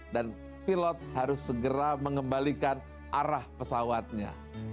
dan pilot harus segera mengembalikan arah pesawatnya